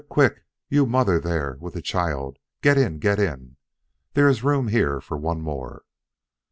quick! You mother there with the child, get in, get in; there is room here for one more."